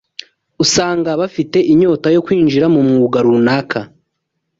usanga bafite inyota yo kwinjira mu mwuga runaka